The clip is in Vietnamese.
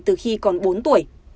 từ khi còn bốn tuổi